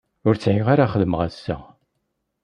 Ur sεiɣ ara xedmeɣ assa.